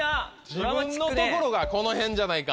自分のところがこのへんじゃないか。